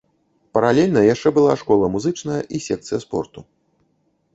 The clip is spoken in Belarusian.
Паралельна яшчэ была школа музычная і секцыя спорту.